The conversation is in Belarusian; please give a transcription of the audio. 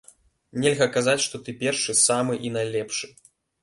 Нельга казаць, што ты першы, самы і найлепшы.